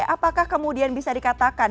apakah kemudian bisa dikatakan